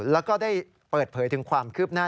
แล้วก็ได้เปิดเผยถึงความคืบหน้า